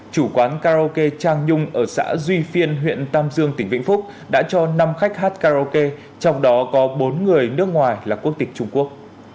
chủ quán karaoke trang nhung ở xã duy phiên huyện tam dương tỉnh vĩnh phúc đã cho năm khách hát karaoke trong đó có bốn người nước ngoài là quốc tịch trung quốc